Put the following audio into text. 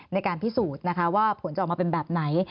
ในการพิสูจน์นะคะว่าผลจะออกมาเป็นแบบไหน